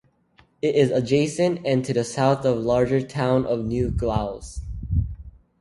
It is adjacent and to the south of the larger town of New Glasgow.